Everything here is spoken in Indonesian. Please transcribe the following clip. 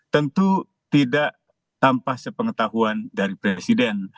tentu tidak tanpa sepengetahuan dari presiden